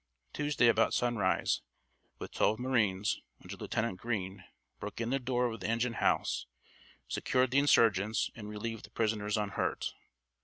Tuesday about sunrise, with twelve marines, under Lieutenant Green, broke in the door of the engine house, secured the insurgents and relieved the prisoners unhurt.